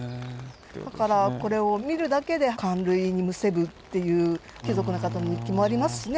だからこれを見るだけで感涙にむせぶっていう貴族の方の日記もありますしね。